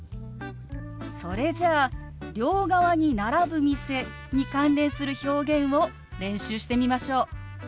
それじゃあ「両側に並ぶ店」に関連する表現を練習してみましょう。